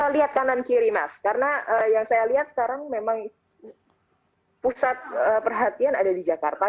lihat kanan kiri mas karena yang saya lihat sekarang memang pusat perhatian ada di jakarta